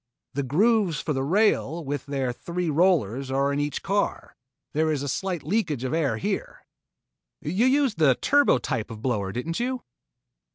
The grooves for the rails with their three rollers are in each car. There is a slight leakage of air here." "You used the turbo type of blower, didn't you?"